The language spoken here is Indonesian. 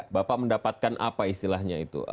bapak mendapatkan apa istilahnya itu